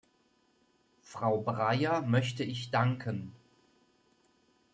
Frau Breyer möchte ich danken.